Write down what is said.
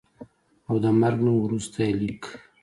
او دَمرګ نه وروستو ئې ليک